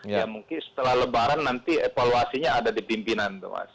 ya mungkin setelah lebaran nanti evaluasinya ada di pimpinan tuh mas